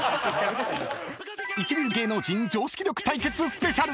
［一流芸能人常識力対決スペシャル！］